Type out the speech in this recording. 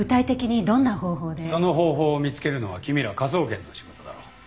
その方法を見つけるのは君ら科捜研の仕事だろう。